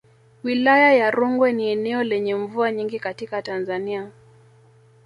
Wilaya ya Rungwe ni eneo lenye mvua nyingi katika Tanzania